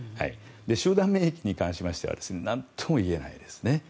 集団免疫に関してはなんとも言えないですね。